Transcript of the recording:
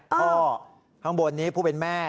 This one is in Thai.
พ่อข้างบนเนี้ยผู้เป็นแม่